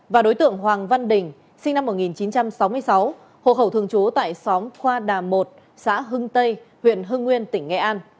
và đối tượng hoàng văn đình sinh năm một nghìn chín trăm sáu mươi sáu hộ khẩu thường trú tại xóm khoa đà một xã hưng tây huyện hưng nguyên tỉnh nghệ an